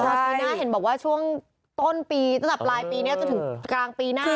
ปีหน้าเห็นบอกว่าช่วงต้นปีตั้งแต่ปลายปีนี้จนถึงกลางปีหน้า